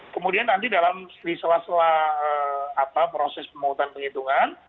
kemudian nanti dalam selisela sela proses pemohonan penghitungan